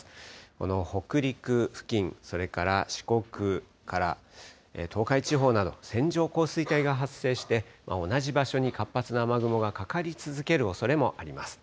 この北陸付近、それから四国から東海地方など、線状降水帯が発生して、同じ場所に活発な雨雲がかかり続けるおそれもあります。